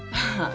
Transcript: ああ。